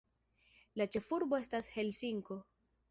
La ĉefurbo estas Helsinko.